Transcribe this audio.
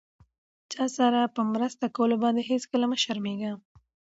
چاسره په مرسته کولو باندې هيڅکله مه شرميږم!